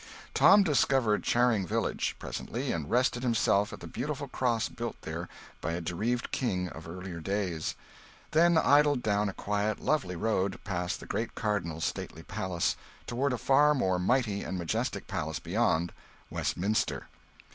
Tom discovered Charing Village presently, and rested himself at the beautiful cross built there by a bereaved king of earlier days; then idled down a quiet, lovely road, past the great cardinal's stately palace, toward a far more mighty and majestic palace beyond Westminster.